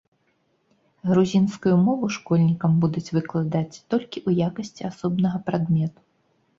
Грузінскую мову школьнікам будуць выкладаць толькі ў якасці асобнага прадмету.